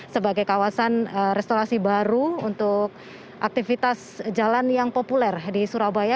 sebagai kawasan restorasi baru untuk aktivitas jalan yang populer di surabaya